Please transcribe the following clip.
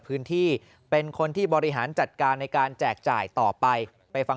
เป็นคนที่บริหารจัดการในการแจกจ่ายต่อไปไปฟัง